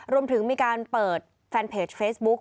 รวมถึงมีการเปิดแฟนเพจเฟซบุ๊ก